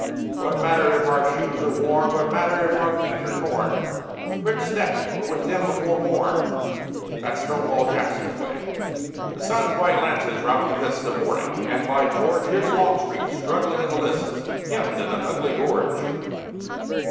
What matter if our shoes are worn? What matter if our feet are torn? "Quick step! we're with him before morn!" That's "Stonewall Jackson's way." The sun's bright lances rout the mists Of morning, and, by George! Here's Longstreet, struggling in the lists, Hemmed in an ugly gorge.